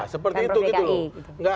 seperti itu gitu loh